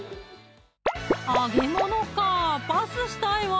揚げ物かーパスしたいわー！